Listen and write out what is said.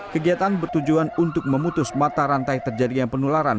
kegiatan bertujuan untuk memutus mata rantai terjadinya penularan